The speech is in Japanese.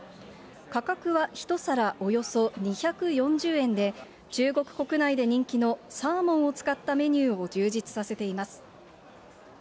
価格は１皿およそ２４０円で、中国国内で人気のサーモンを使ったメニューを充実させています。